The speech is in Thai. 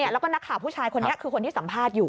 แล้วก็นักข่าวผู้ชายคนนี้คือคนที่สัมภาษณ์อยู่